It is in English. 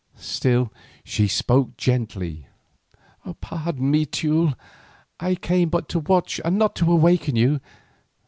Still she spoke gently. "Pardon me, Teule, I came but to watch and not to waken you.